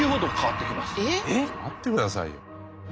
待ってくださいよ。